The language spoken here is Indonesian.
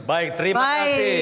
baik terima kasih